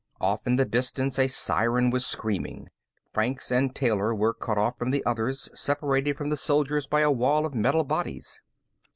Off in the distance a siren was screaming. Franks and Taylor were cut off from the others, separated from the soldiers by a wall of metal bodies.